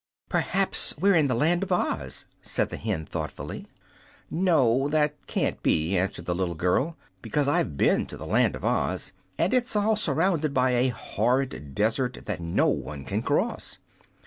"Perhaps we're in the Land of Oz," said the hen, thoughtfully. "No, that can't be," answered the little girl; "because I've been to the Land of Oz, and it's all surrounded by a horrid desert that no one can cross."